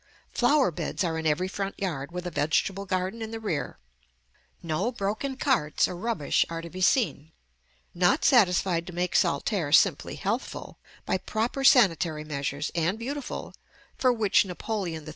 Flower beds are in every front yard, with a vegetable garden in the rear. No broken carts or rubbish are to be seen. Not satisfied to make Saltaire simply healthful, by proper sanitary measures, and beautiful, for which Napoleon III.